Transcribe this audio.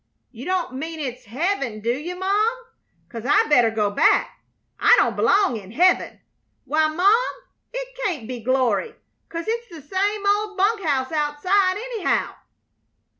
"You don't mean it's heav'n, do you, Mom? 'Cause I better go back I don't belong in heav'n. Why, Mom, it can't be glory, 'cause it's the same old bunk house outside, anyhow."